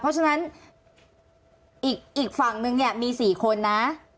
เพราะฉะนั้นอีกฝั่งนึงเนี่ยมี๔คนนะ